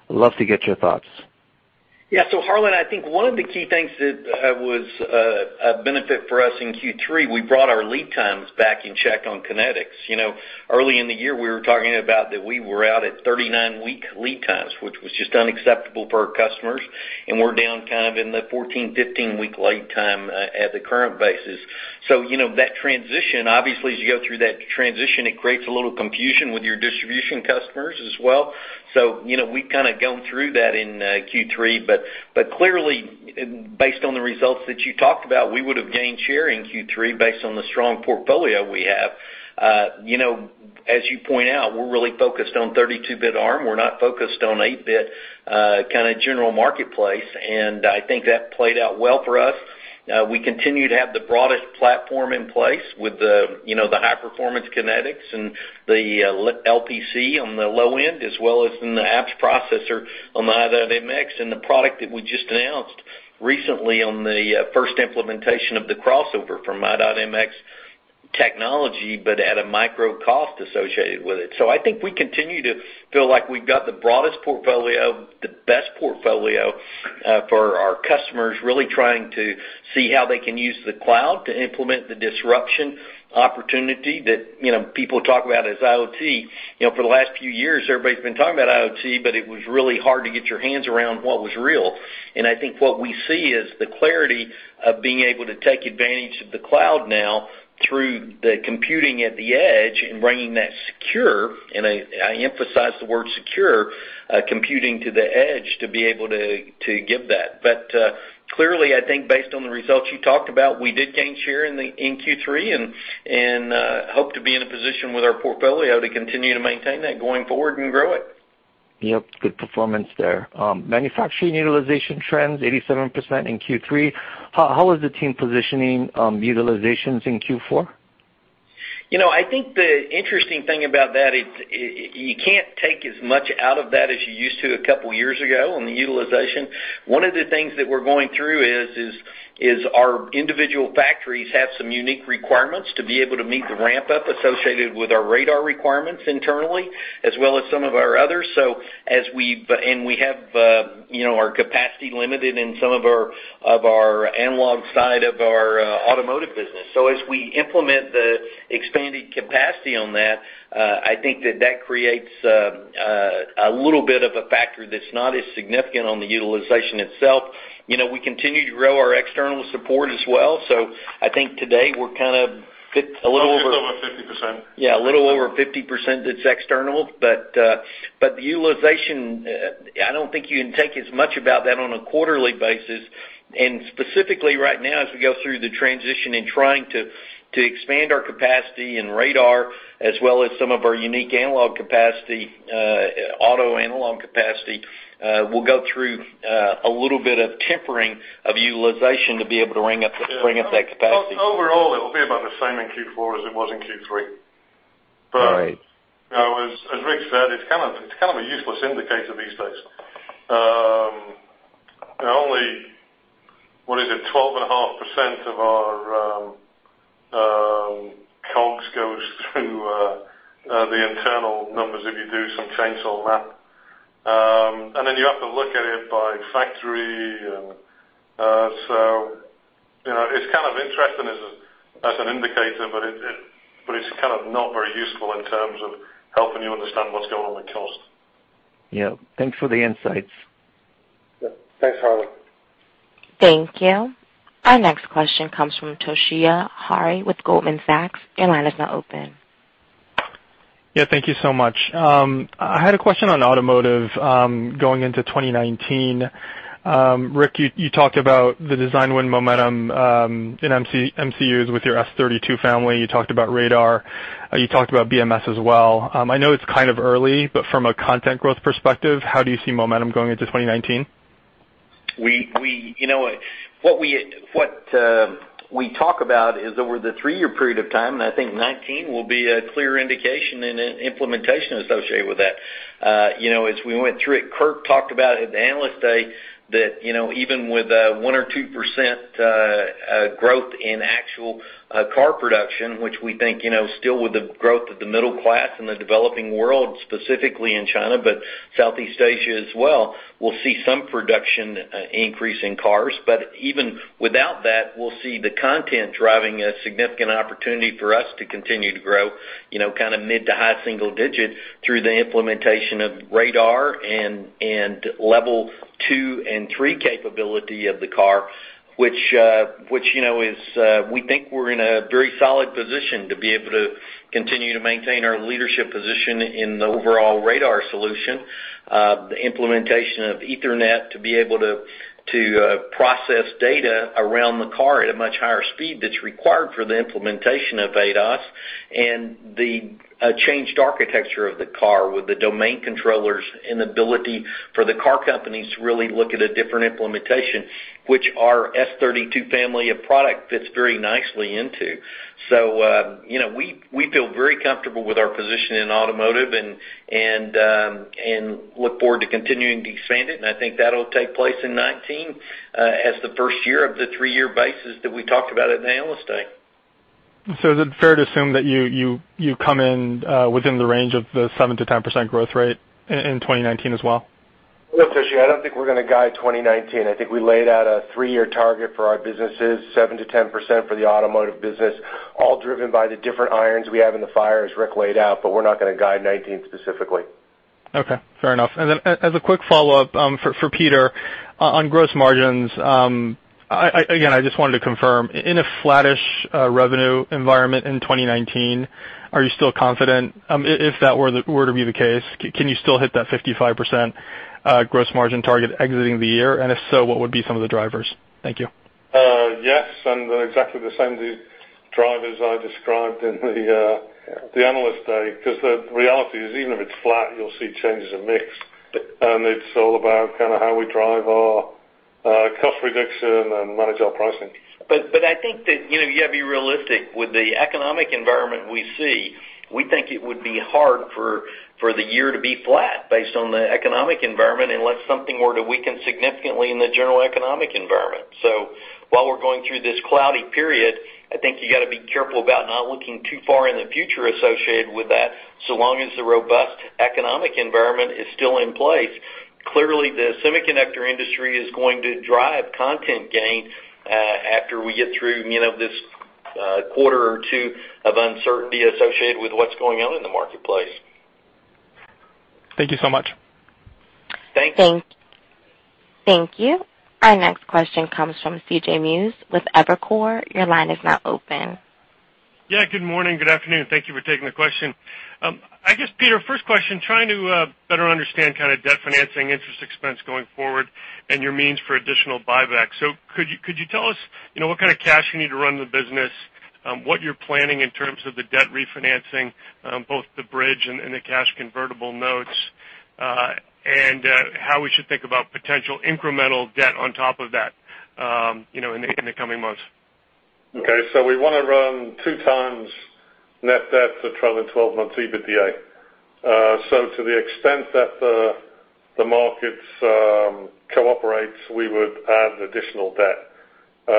love to get your thoughts. Yeah. Harlan, I think one of the key things that was a benefit for us in Q3, we brought our lead times back in check on Kinetis. Early in the year, we were talking about that we were out at 39-week lead times, which was just unacceptable for our customers, and we're down kind of in the 14, 15-week lead time at the current basis. That transition, obviously, as you go through that transition, it creates a little confusion with your distribution customers as well. We've kind of gone through that in Q3, clearly, based on the results that you talked about, we would've gained share in Q3 based on the strong portfolio we have. As you point out, we're really focused on 32-bit Arm. We're not focused on 8-bit kind of general marketplace, I think that played out well for us. We continue to have the broadest platform in place with the high-performance Kinetis and the LPC on the low end, as well as in the apps processor on the i.MX and the product that we just announced recently on the first implementation of the crossover from i.MX technology, at a micro cost associated with it. I think we continue to feel like we've got the broadest portfolio, the best portfolio for our customers, really trying to see how they can use the cloud to implement the disruption opportunity that people talk about as IoT. For the last few years, everybody's been talking about IoT, it was really hard to get your hands around what was real. I think what we see is the clarity of being able to take advantage of the cloud now through the computing at the edge and bringing that secure, and I emphasize the word secure, computing to the edge to be able to give that. Clearly, I think based on the results you talked about, we did gain share in Q3 and hope to be in a position with our portfolio to continue to maintain that going forward and grow it. Yep. Good performance there. Manufacturing utilization trends, 87% in Q3. How is the team positioning utilizations in Q4? I think the interesting thing about that, you can't take as much out of that as you used to a couple of years ago on the utilization. One of the things that we're going through is our individual factories have some unique requirements to be able to meet the ramp-up associated with our radar requirements internally, as well as some of our others. We have our capacity limited in some of our analog side of our automotive business. As we implement the expanded capacity on that, I think that creates a little bit of a factor that's not as significant on the utilization itself. We continue to grow our external support as well. It's over 50%. A little over 50% that's external. The utilization, I don't think you can take as much about that on a quarterly basis. Specifically right now, as we go through the transition in trying to expand our capacity in radar as well as some of our unique analog capacity, auto analog capacity, we'll go through a little bit of tempering of utilization to be able to bring up that capacity. Overall, it will be about the same in Q4 as it was in Q3. All right. As Rick said, it's kind of a useless indicator these days. Only, what is it? 12.5% of our COGS goes through the internal numbers if you do some chainsaw math. Then you have to look at it by factory. So it's kind of interesting as an indicator, but it's kind of not very useful in terms of helping you understand what's going on with cost. Yeah. Thanks for the insights. Yeah. Thanks, Harlan. Thank you. Our next question comes from Toshiya Hari with Goldman Sachs. Your line is now open. Yeah, thank you so much. I had a question on automotive, going into 2019. Rick, you talked about the design win momentum in MCUs with your S32 family. You talked about radar. You talked about BMS as well. I know it's kind of early, but from a content growth perspective, how do you see momentum going into 2019? What we talk about is over the three-year period of time. I think 2019 will be a clear indication and an implementation associated with that. As we went through it, Kurt talked about at the Analyst Day that even with 1% or 2% growth in actual car production, which we think still with the growth of the middle class in the developing world, specifically in China, but Southeast Asia as well, we'll see some production increase in cars. Even without that, we'll see the content driving a significant opportunity for us to continue to grow, kind of mid to high single digit through the implementation of radar and level 2 and 3 capability of the car, which we think we're in a very solid position to be able to continue to maintain our leadership position in the overall radar solution. The implementation of Ethernet to be able to process data around the car at a much higher speed that's required for the implementation of ADAS and the changed architecture of the car with the domain controllers and ability for the car companies to really look at a different implementation, which our S32 family of product fits very nicely into. We feel very comfortable with our position in automotive and look forward to continuing to expand it, and I think that'll take place in 2019 as the first year of the three-year basis that we talked about at the Analyst Day. Is it fair to assume that you come in within the range of the 7%-10% growth rate in 2019 as well? No, Toshiya, I don't think we're going to guide 2019. I think we laid out a three-year target for our businesses, 7%-10% for the automotive business, all driven by the different irons we have in the fire, as Rick laid out. We're not going to guide 2019 specifically. Okay. Fair enough. Then as a quick follow-up, for Peter, on gross margins, again, I just wanted to confirm, in a flattish revenue environment in 2019, are you still confident? If that were to be the case, can you still hit that 55% gross margin target exiting the year? If so, what would be some of the drivers? Thank you. Yes, exactly the same drivers I described in the Analyst Day, because the reality is, even if it's flat, you'll see changes in mix. It's all about kind of how we drive our cost reduction and manage our pricing. I think that you got to be realistic. With the economic environment we see, we think it would be hard for the year to be flat based on the economic environment unless something were to weaken significantly in the general economic environment. While we're going through this cloudy period, I think you got to be careful about not looking too far in the future associated with that, so long as the robust economic environment is still in place. Clearly, the semiconductor industry is going to drive content gain after we get through this quarter or two of uncertainty associated with what's going on in the marketplace. Thank you so much. Thanks. Thank you. Our next question comes from C.J. Muse with Evercore. Your line is now open. Good morning. Good afternoon. Thank you for taking the question. I guess, Peter, first question, trying to better understand debt financing interest expense going forward and your means for additional buyback. Could you tell us what kind of cash you need to run the business, what you're planning in terms of the debt refinancing, both the bridge and the cash convertible notes, and how we should think about potential incremental debt on top of that in the coming months? Okay. We want to run 2 times net debt to trailing 12 months EBITDA. To the extent that the markets cooperate, we would add additional debt.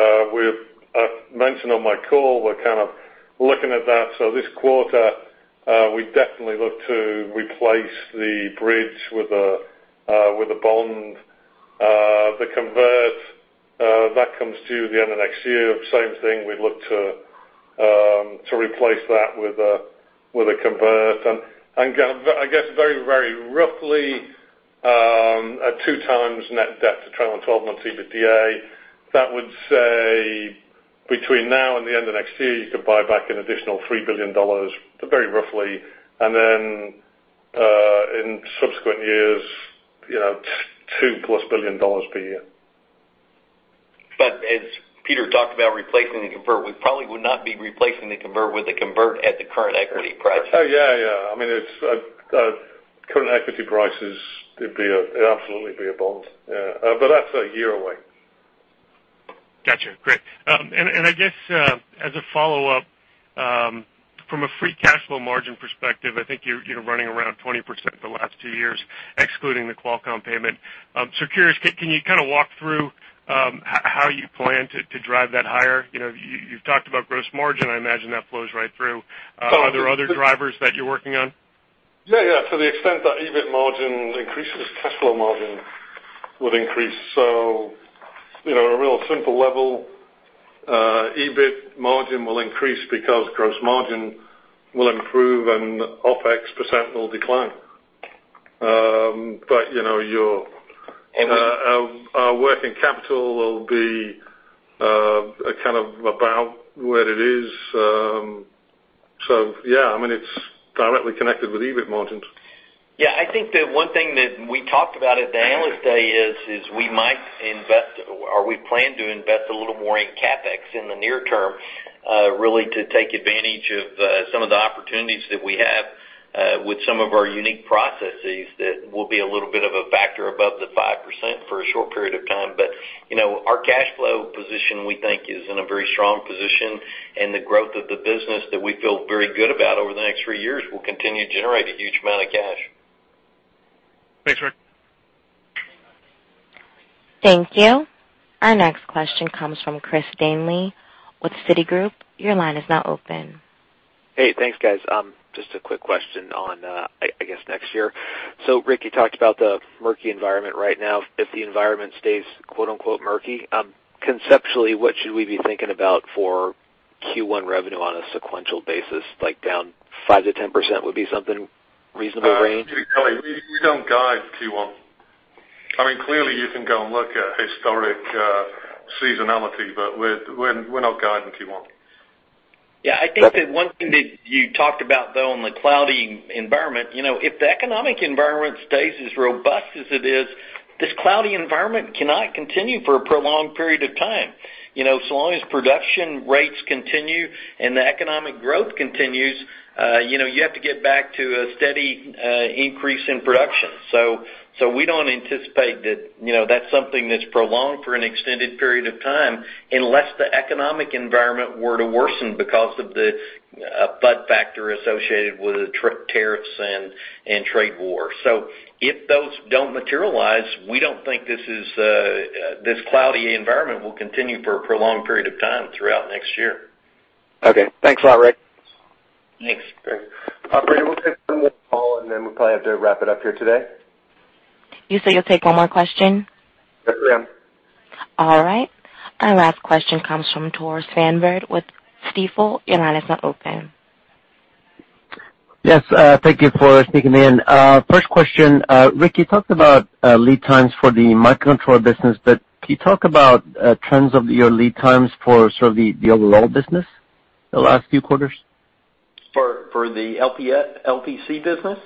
I've mentioned on my call, we're kind of looking at that. This quarter, we definitely look to replace the bridge with a bond. The convert, that comes to the end of next year. Same thing, we'd look to replace that with a convert. I guess very roughly, at 2 times net debt to trailing 12 months EBITDA, that would say between now and the end of next year, you could buy back an additional $3 billion, very roughly. Then, in subsequent years, $2-plus billion per year. As Peter talked about replacing the convert, we probably would not be replacing the convert with a convert at the current equity price. Oh, yeah. Current equity prices, it'd absolutely be a bond. Yeah. That's a year away. Got you. Great. I guess, as a follow-up, from a free cash flow margin perspective, I think you're running around 20% the last two years, excluding the Qualcomm payment. Curious, can you kind of walk through how you plan to drive that higher? You've talked about gross margin. I imagine that flows right through. Are there other drivers that you're working on? Yeah. To the extent that EBIT margin increases, cash flow margin would increase. At a real simple level, EBIT margin will increase because gross margin will improve and OpEx % will decline. Our working capital will be kind of about where it is. Yeah, it's directly connected with EBIT margin. Yeah, I think that one thing that we talked about at the Analyst Day is we might invest, or we plan to invest a little more in CapEx in the near term, really to take advantage of some of the opportunities that we have with some of our unique processes that will be a little bit of a factor above the 5% for a short period of time. Our cash flow position, we think, is in a very strong position, and the growth of the business that we feel very good about over the next three years will continue to generate a huge amount of cash. Thanks, Rick. Thank you. Our next question comes from Christopher Danely with Citigroup. Your line is now open. Hey, thanks guys. Just a quick question on, I guess, next year. Rick, you talked about the murky environment right now. If the environment stays, quote-unquote, "murky," conceptually, what should we be thinking about for Q1 revenue on a sequential basis? Like down 5%-10% would be something reasonable range? We don't guide Q1. Clearly you can go and look at historic seasonality, but we're not guiding Q1. Yeah, I think that one thing that you talked about, though, on the cloudy environment, if the economic environment stays as robust as it is, this cloudy environment cannot continue for a prolonged period of time. Long as production rates continue and the economic growth continues, you have to get back to a steady increase in production. We don't anticipate that that's something that's prolonged for an extended period of time unless the economic environment were to worsen because of the FUD factor associated with the tariffs and trade war. If those don't materialize, we don't think this cloudy environment will continue for a prolonged period of time throughout next year. Okay. Thanks a lot, Rick. Thanks. Great. Operator, we'll take one more call, and then we'll probably have to wrap it up here today. You say you'll take one more question? Yes, ma'am. All right. Our last question comes from Tore Svanberg with Stifel. Your line is now open. Yes. Thank you for taking me in. First question, Rick, you talked about lead times for the microcontroller business, but can you talk about trends of your lead times for sort of the overall business the last few quarters? For the LPC business?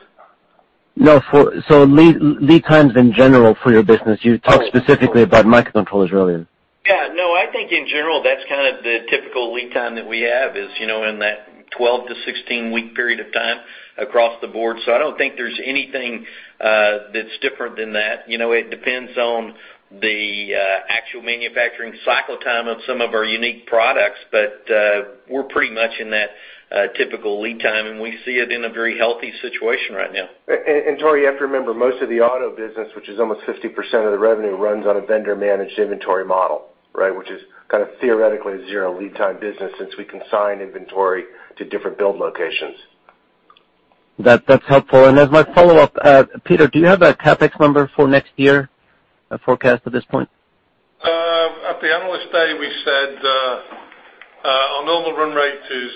No, lead times in general for your business. You talked specifically about microcontrollers earlier. I think in general, that's kind of the typical lead time that we have is in that 12-16-week period of time across the board. I don't think there's anything that's different than that. It depends on the actual manufacturing cycle time of some of our unique products. We're pretty much in that typical lead time, and we see it in a very healthy situation right now. Tore, you have to remember, most of the auto business, which is almost 50% of the revenue, runs on a vendor-managed inventory model, which is kind of theoretically zero lead time business since we can sign inventory to different build locations. That's helpful. As my follow-up, Peter, do you have a CapEx number for next year forecast at this point? At the Analyst Day, we said our normal run rate is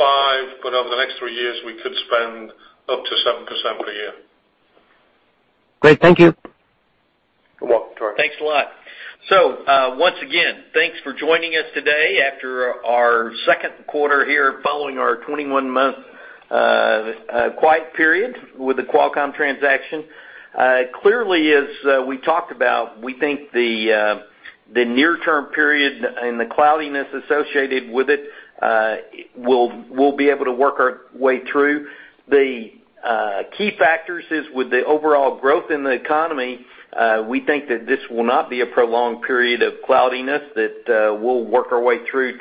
5%. Over the next three years, we could spend up to 7% per year. Great. Thank you. You're welcome, Tore. Once again, thanks for joining us today after our second quarter here following our 21-month quiet period with the Qualcomm transaction. Clearly, as we talked about, we think the near-term period and the cloudiness associated with it, we'll be able to work our way through. The key factors is with the overall growth in the economy, we think that this will not be a prolonged period of cloudiness, that we'll work our way through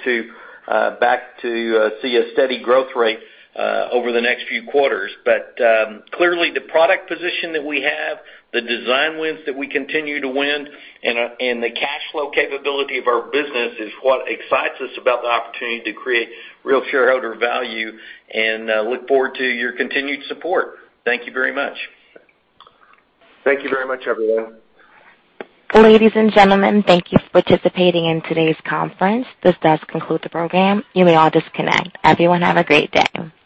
back to see a steady growth rate over the next few quarters. Clearly, the product position that we have, the design wins that we continue to win, and the cash flow capability of our business is what excites us about the opportunity to create real shareholder value, and look forward to your continued support. Thank you very much. Thank you very much, everyone. Ladies and gentlemen, thank you for participating in today's conference. This does conclude the program. You may all disconnect. Everyone have a great day.